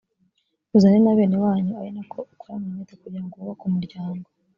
uzane na bene wanyu ari na ko ukorana umwete kugira ngo wubake umuryango